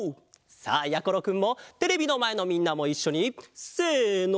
さあやころくんもテレビのまえのみんなもいっしょにせの！